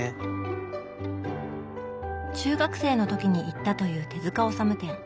中学生の時に行ったという手治虫展。